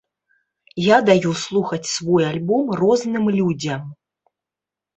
Я даю слухаць свой альбом розным людзям.